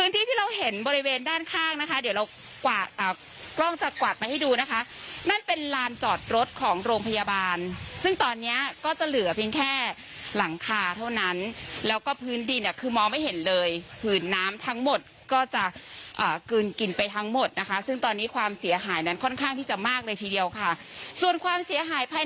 ที่เราเห็นบริเวณด้านข้างนะคะเดี๋ยวเรากวาดกล้องจะกวาดไปให้ดูนะคะนั่นเป็นลานจอดรถของโรงพยาบาลซึ่งตอนเนี้ยก็จะเหลือเพียงแค่หลังคาเท่านั้นแล้วก็พื้นดินเนี่ยคือมองไม่เห็นเลยผืนน้ำทั้งหมดก็จะกลืนกลิ่นไปทั้งหมดนะคะซึ่งตอนนี้ความเสียหายนั้นค่อนข้างที่จะมากเลยทีเดียวค่ะส่วนความเสียหายภาย